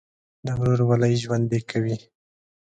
د ورورولۍ ژوند دې کوي.